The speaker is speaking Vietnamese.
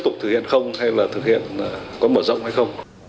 tục thực hiện không hay là thực hiện có mở rộng hay không